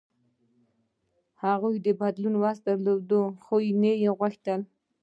هغوی د بدلون وس درلود، خو نه یې غوښتل.